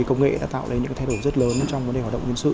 công nghệ đã tạo ra những thay đổi rất lớn trong vấn đề hoạt động nhân sự